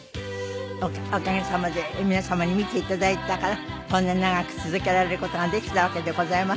おかげさまで皆様に見て頂いたからこんなに長く続けられる事ができたわけでございます。